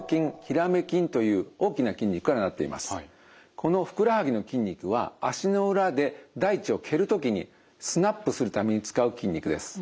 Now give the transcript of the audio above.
このふくらはぎの筋肉は足の裏で大地を蹴る時にスナップするために使う筋肉です。